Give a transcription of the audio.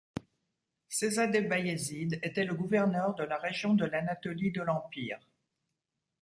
Sehzade Bayezid était le gouverneur de la région de l'Anatolie de l'empire.